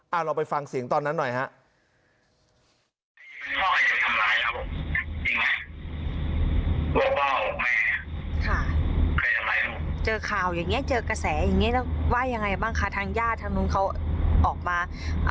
เอาเราไปฟังเสียงตอนนั้นหน่อยฮะ